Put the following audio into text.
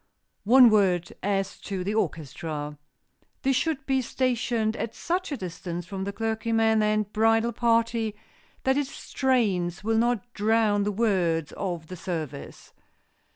One word as to the orchestra. This should be stationed at such a distance from the clergyman and bridal party that its strains will not drown the words of the service.